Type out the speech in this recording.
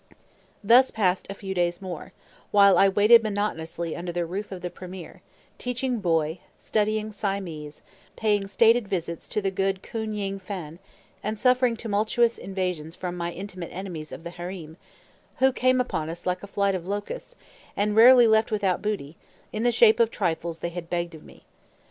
Thus passed a few days more, while I waited monotonously under the roof of the premier, teaching Boy, studying Siamese, paying stated visits to the good Koon Ying Phan, and suffering tumultuous invasions from my "intimate enemies" of the harem, who came upon us like a flight of locusts, and rarely left without booty, in the shape of trifles they had begged of me.